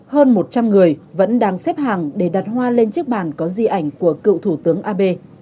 hơn một trăm linh người vẫn đang xếp hàng để đặt hoa lên chiếc bàn có di ảnh của cựu thủ tướng abe